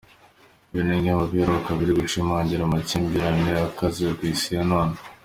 Ibi ni bimwe mu biheruka biri gushimangira amakimbirane akaze muri Isi ya none.